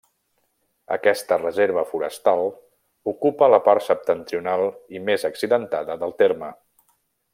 Aquesta reserva forestal ocupa la part septentrional i més accidentada del terme.